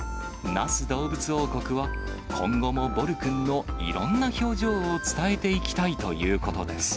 那須どうぶつ王国は、今後もボルくんのいろんな表情を伝えていきたいということです。